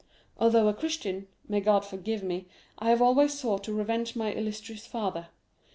Although a Christian, may God forgive me, I have always sought to revenge my illustrious father.